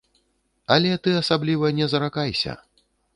Але ты асабліва не заракайся.